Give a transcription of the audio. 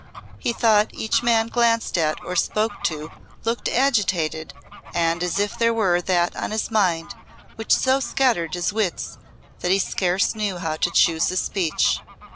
He thought each man he glanced at or spoke to looked agitated and as if there were that on his mind which so scattered his wits that he scarce knew how to choose his speech.